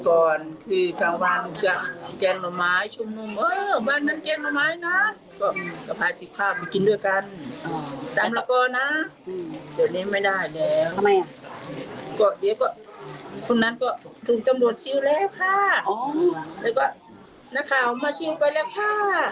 ก็ถึงตำรวจชิวแล้วค่ะแล้วก็นักข่าวมาชิวไปแล้วค่ะ